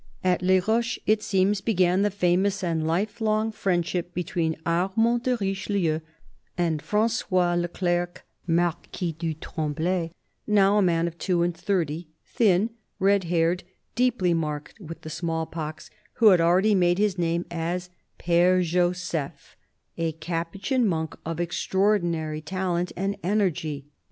At Les Roches, it seems, began the famous and life long friendship between Armand de Richelieu and Francois Le Clerc, Marquis du Tremblay, now a man of two and thirty, thin, red haired, deeply marked with the small pox, who had already made his name as P^re Joseph, a Capuchin monk ot extraordinary talent and energy.